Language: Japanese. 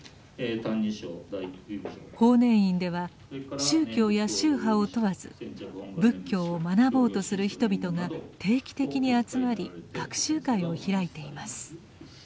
法然院では宗教や宗派を問わず仏教を学ぼうとする人々が定期的に集まり学習会を開いています。